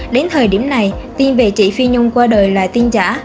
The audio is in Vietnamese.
đến thời điểm này tin về chị phi nhung qua đời là tin giả